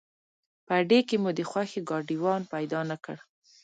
په اډې کې مو د خوښې ګاډیوان پیدا نه کړ.